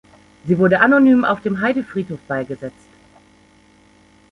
Sie wurde anonym auf dem Heidefriedhof beigesetzt.